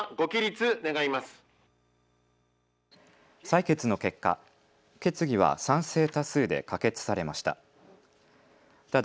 採決の結果、決議は賛成多数で可決されました。